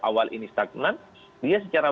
awal ini stagnan dia secara